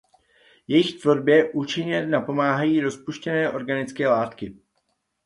Jejich tvorbě účinně napomáhají rozpuštěné organické látky.